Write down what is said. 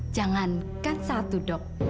jangankan satu dok